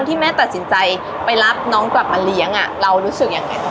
มีขอเสนออยากให้แม่หน่อยอ่อนสิทธิ์การเลี้ยงดู